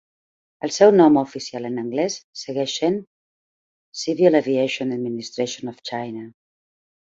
El seu nom oficial en anglès segueix sent "Civil Aviation Administration of China".